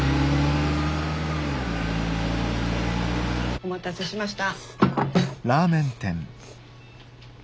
お待たせしました。